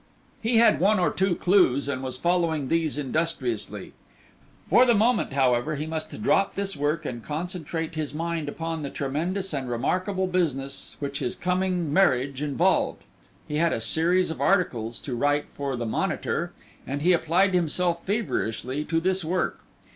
He had one or two clues and was following these industriously. For the moment, however, he must drop this work and concentrate his mind upon the tremendous and remarkable business which his coming marriage involved. He had a series of articles to write for the Monitor, and he applied himself feverishly to this work.